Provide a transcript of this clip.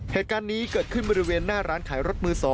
เหตุการณ์นี้เกิดขึ้นบริเวณหน้าร้านขายรถมือ๒